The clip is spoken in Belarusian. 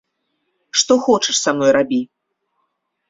Што хочаш са мной рабі!